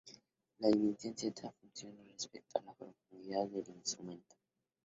La dimensión z funciona respecto a la profundidad del instrumento.